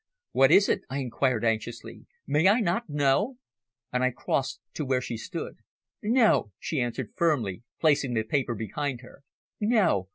"What is it?" I inquired anxiously. "May I not know?" And I crossed to where she stood. "No," she answered firmly, placing the paper behind her. "No!